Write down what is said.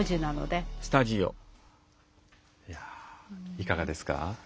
いかがですか？